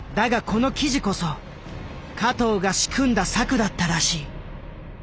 この記事こそ加藤が仕組んだ策だったらしい。